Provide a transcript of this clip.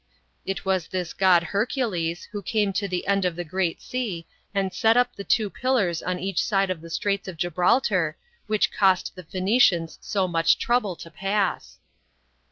It was this god Hercules, who came to the end of the Great Sea, and set up the two pillars on each side of the Straits of Gibraltar, which cost the Phoenicians so much trouble to pass.